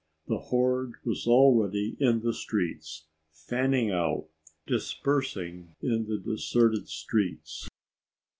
The horde was already in the streets, fanning out, dispersing in the deserted streets.